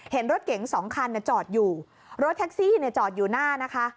เห็นรถเก๋งสองคันจอดอยู่รถแท็กซี่เนี่ยจอดอยู่หน้านะคะ